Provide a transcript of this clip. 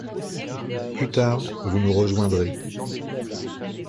Plus tard, vous nous rejoindrez.